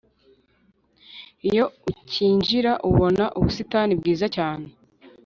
Iyo ucyinjira ubona ubusitani bwiza cyane